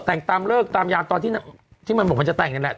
แต่งตามเลิกตามยามตอนที่มันบอกมันจะแต่งนี่แหละ